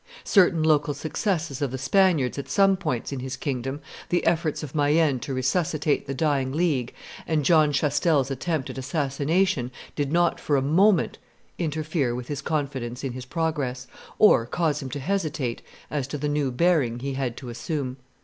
Certain local successes of the Spaniards at some points in his kingdom, the efforts of Mayenne to resuscitate the dying League, and John Chastel's attempt at assassination did not for a moment interfere with his confidence in his progress, or cause him to hesitate as to the new bearing he had to assume.